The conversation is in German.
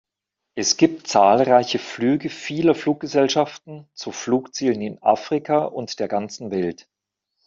Es gibt zahlreiche Flüge vieler Fluggesellschaften zu Flugzielen in Afrika und der ganzen Welt.